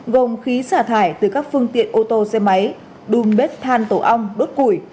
gồm khí xả thải từ các phương tiện ô tô xe máy đùm bếp than tổ ong đốt củi